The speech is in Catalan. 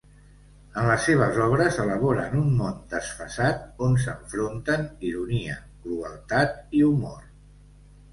En les seves obres, elabora un món desfasat on s'enfronten ironia, crueltat i humor.